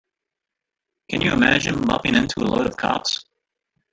Can you imagine bumping into a load of cops?